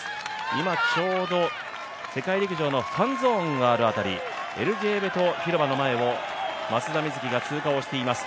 今ちょうど、世界陸上のファンゾーンがある辺り広場の前を松田瑞生が通過していきます。